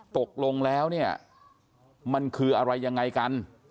ตกลงแล้วมันคืออะไรอย่างไรกัน